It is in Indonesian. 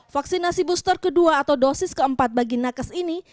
vaksinasi booster ke dua atau dosis ke empat bagi nakes ini